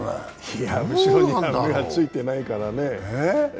いや、後ろには目がついてないからね。